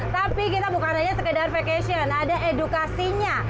tapi kita bukan hanya sekedar vacation ada edukasinya